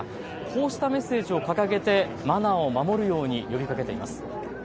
こうしたメッセージを掲げてマナーを守るように呼びかけています。